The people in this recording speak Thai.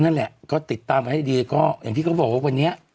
นั่นแหละก็ติดตามกันให้ดีก็อย่างที่เขาบอกว่าวันนี้